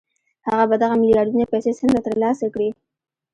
هغه به دغه ميلياردونه پيسې څنګه ترلاسه کړي؟